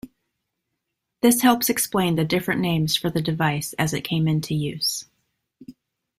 This helps explain the different names for the device as it came into use.